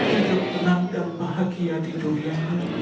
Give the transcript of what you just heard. hidup tenang dan bahagia di dunia